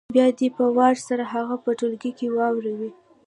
بیا دې په وار سره هغه په ټولګي کې واوروي